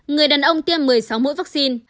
người đàn ông tiêm một mươi sáu mũi vaccine